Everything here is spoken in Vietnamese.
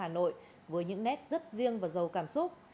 mùa thu hà nội với những nét rất riêng và giàu cảm xúc